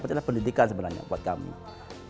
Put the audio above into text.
sebenarnya pendidikan itu adalah yang paling penting untuk kita